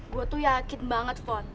gue tuh yakin banget spot